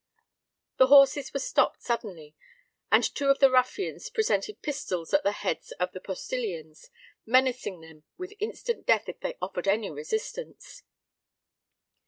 The horses were stopped suddenly; and two of the ruffians presented pistols at the heads of the postillions, menacing them with instant death if they offered any resistance.